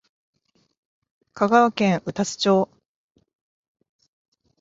香川県宇多津町